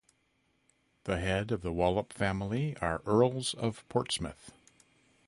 The head of the Wallop family are Earls of Portsmouth.